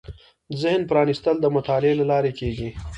ذهن پرانېستل د مطالعې له لارې کېږي